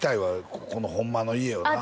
ここのホンマの家をなああ